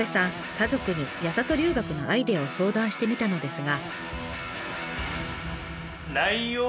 家族に八郷留学のアイデアを相談してみたのですが。